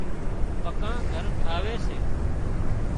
پڪان گھر ٽاهوي سي